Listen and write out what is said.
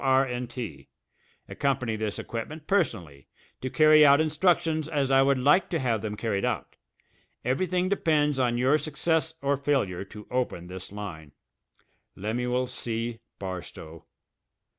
R. & T. Accompany this equipment personally to carry out instructions as I would like to have them carried out. Everything depends on your success or failure to open this line. LEMUEL C. BARSTOW.